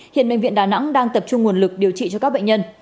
hiện bệnh viện đà nẵng đang tập trung nguồn lực điều trị cho các bệnh nhân